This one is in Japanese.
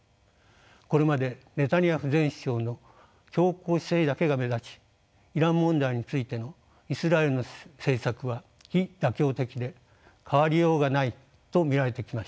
これまでネタニヤフ前首相の強硬姿勢だけが目立ちイラン問題についてのイスラエルの政策は非妥協的で変わりようがないと見られてきました。